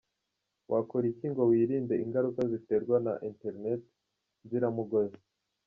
Wakora iki ngo wirinde ingaruka ziterwa na internet nziramugozi?.